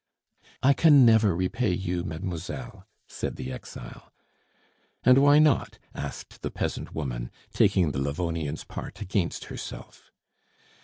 "I can never repay you, mademoiselle," said the exile. "And why not?" asked the peasant woman, taking the Livonian's part against herself.